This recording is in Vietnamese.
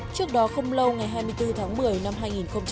trước đó không lâu ngày hai mươi bốn tháng một mươi năm hai nghìn một mươi tám